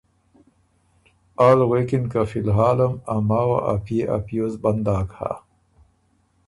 آ ل غوېکِن که ”فی الحاله م ا ماوه ا پئے ا پیوز بند داک هۀ۔